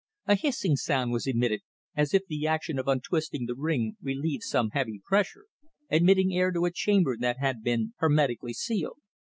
A hissing sound was emitted, as if the action of untwisting the ring relieved some heavy pressure, admitting air to a chamber that had been hermetically sealed.